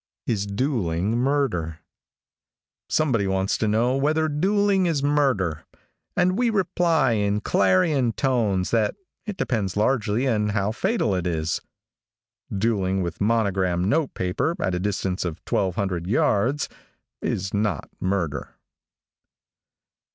IS DUELING MURDER? |SOMEBODY wants to know whether dueling is murder, and we reply in clarion tones that it depends largely on how fatal it is. Dueling with monogram note paper, at a distance of 1,200 yards, is not murder.